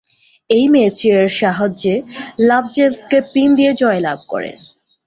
এই ম্যাচে -এর সাহায্যে লাভ জেমসকে পিন দিয়ে জয়লাভ করেন।